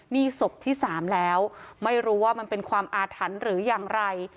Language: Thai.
นี่ศพที่๓แล้วไม่รู้ว่ามันเป็นความอาถรรพ์หรืออย่างไร